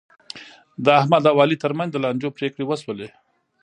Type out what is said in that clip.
د احمد او علي ترمنځ د لانجو پرېکړې وشولې.